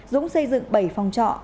dũng xây dựng bảy phòng trọ